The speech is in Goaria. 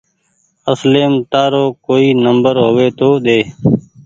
اصليم تآرو ڪوئي نمبر هووي تو ۮي